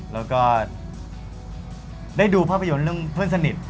แล้วก็ได้ดูภาพยนตร์เรื่องเพื่อนสนิท